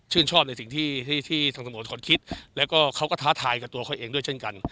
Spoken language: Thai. ชอบในสิ่งที่ทางสโมสรคิดแล้วก็เขาก็ท้าทายกับตัวเขาเองด้วยเช่นกัน